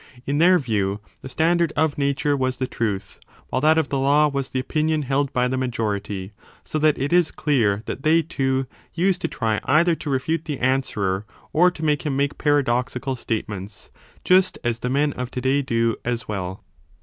In their view the standard of nature was the truth, while that of the law was 15 the opinion held by the majority. So that it is clear that they, too, used to try either to refute the answerer or to make him make paradoxical statements, just as the men of to day do as well.